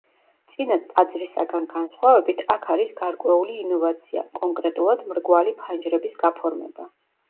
წინა ტაძრისაგან განსხვავებით აქ არის გარკვეული ინოვაცია, კონკრეტულად, მრგვალი ფანჯრების გაფორმება.